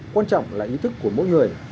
quan trọng là ý thức của mỗi người